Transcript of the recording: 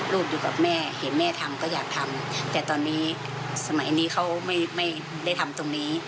อยู่กับแม่เห็นแม่ทำก็อยากทำแต่ตอนนี้สมัยนี้เขาไม่ได้ทำตรงนี้